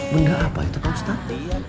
benda apa itu pak ustadz